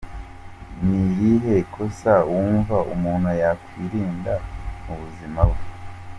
com:Ni irihe kosa wumva umuntu yakwirinda mu buzima bwe?.